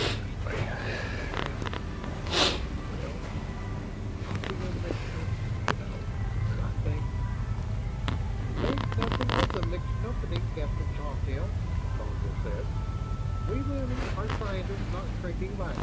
"Especially on the ground ... well, talking in mixed company, you know, but I think ..." "Think nothing of the mixed company, Captain Sawtelle," Sandra said. "We women are scientists, not shrinking violets.